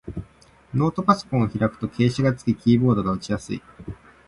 ノートパソコンを開くと傾斜がつき、キーボードが打ちやすい